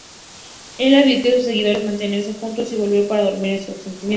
Él advirtió a sus seguidores mantenerse juntos y volver para dormir en su asentamiento.